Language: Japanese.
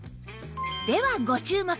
ではご注目！